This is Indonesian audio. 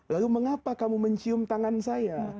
lalu mengapa kamu mencium tangan saya